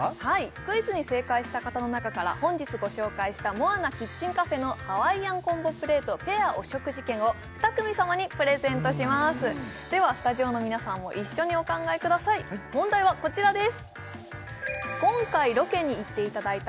クイズに正解した方の中から本日ご紹介したモアナキッチンカフェのハワイアンコンボプレートペアお食事券を２組様にプレゼントしますではスタジオの皆さんも一緒にお考えください問題はこちらです